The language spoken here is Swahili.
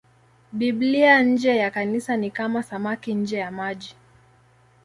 Biblia nje ya Kanisa ni kama samaki nje ya maji.